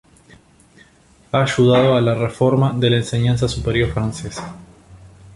Ha ayudado a la reforma de la enseñanza superior francesa.